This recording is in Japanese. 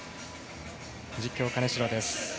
実況、金城です。